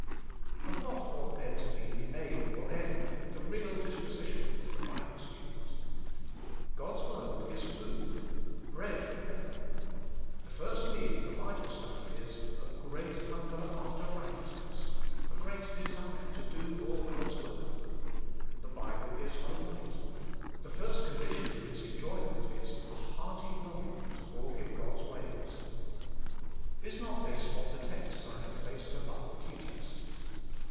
And what ought then to be the Aim or End, the real disposition of the Bible student? God's word is food, bread from heaven; the first need for Bible study is: — ^A Great Hunger After EiGHTEOusxESS, — a great desire to Do All God's Will. The Bible is a light: the first condition to its enjoyment is — a Hearty Longing to Walk IN God's Ways. Is not this what the texts I have placed above teach us?